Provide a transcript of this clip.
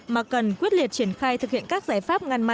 và đã bị đổ ra